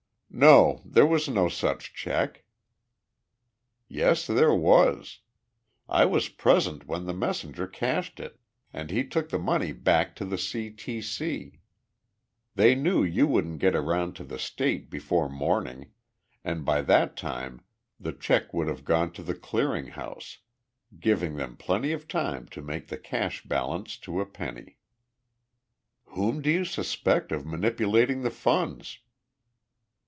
"No, there was no such check." "Yes, there was. I was present when the messenger cashed it and he took the money back to the C. T. C. They knew you wouldn't get around to the State before morning, and by that time the check would have gone to the clearing house, giving them plenty of time to make the cash balance to a penny." "Whom do you suspect of manipulating the funds?"